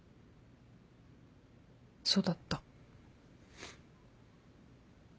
そうだった。